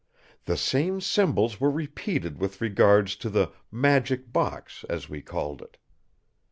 The same symbols were repeated with regard to the "Magic Box", as we called it.